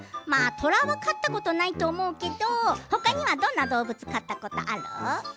トラを飼ったことはないと思うけどほかにはどんな動物を飼ったことがある？